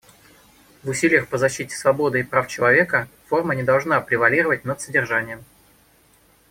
В усилиях по защите свободы и прав человека, форма не должна превалировать над содержанием.